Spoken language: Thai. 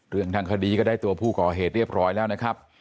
ทางคดีก็ได้ตัวผู้ก่อเหตุเรียบร้อยแล้วนะครับ